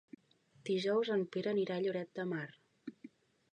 Dijous en Pere anirà a Lloret de Mar.